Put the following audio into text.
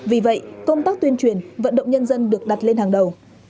vì vậy công tác tuyên truyền vận động nhân dân được đặt lên hàng đầu